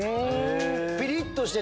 ピリっとしてて。